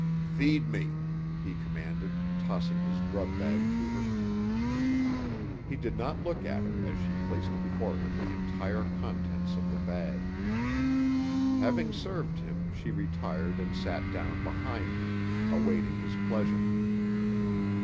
"Feed me," he commanded, tossing his grub bag to her. He did not look at her as she placed before him the entire contents of the bag. Having served him she retired and sat down behind him, awaiting his pleasure.